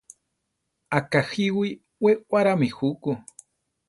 Akajíwi we warámi juku.